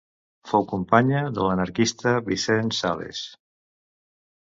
Fou companya de l'anarquista Vicent Sales.